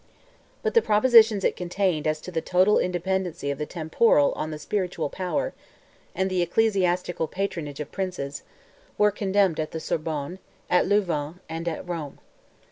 But the propositions it contained as to the total independency of the temporal on the spiritual power, and the ecclesiastical patronage of princes, were condemned at the Sorbonne, at Louvain, and at Rome.